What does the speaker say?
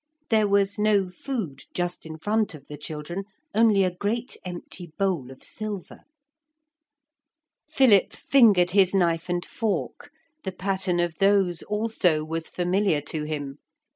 There was no food just in front of the children, only a great empty bowl of silver. Philip fingered his knife and fork; the pattern of those also was familiar to him.